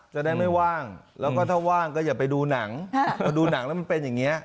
จะได้ไม่ว่างแล้วก็ถ้าว่างก็อย่าไปดูหนังพอดูหนังแล้วมันเป็นอย่างนี้